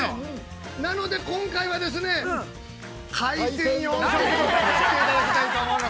◆なので、今回はですね、海鮮４色丼いかせていただきたいと思います。